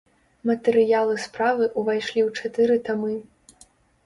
Матэрыялы справы ўвайшлі ў чатыры тамы.